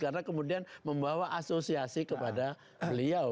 karena kemudian membawa asosiasi kepada beliau